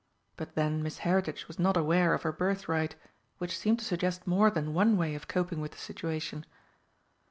But then Miss Heritage was not aware of her birthright, which seemed to suggest more than one way of coping with the situation.